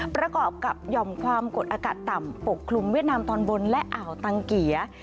ประกอบกับหย่อมความกดอากาศต่ำปกคลุมเวียดนามตอนบนและอ่าวตังเกีย